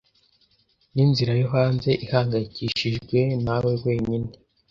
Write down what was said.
Ninzira yo hanze ihangayikishijwe nawe wenyine?